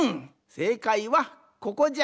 せいかいはここじゃ！